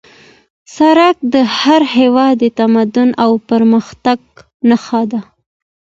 سړک د هر هېواد د تمدن او پرمختګ نښه ده